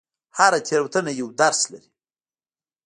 هره تېروتنه یو درس لري.